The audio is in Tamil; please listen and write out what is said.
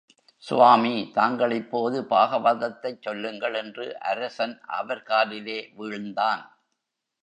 சுவாமி, தாங்கள் இப்போது பாகவதத்தைச் சொல்லுங்கள் என்று அரசன் அவர் காலிலே வீழ்ந்தான்.